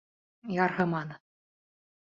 Ярһыманы.